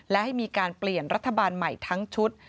และให้มีการเปลี่ยนรัฐบาลใหม่ทั้งชุด